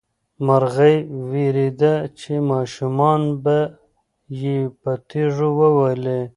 مرغۍ وېرېده چې ماشومان به یې په تیږو وولي.